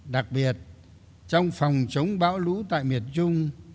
đặc biệt trong phòng chống bão lũ tại miền trung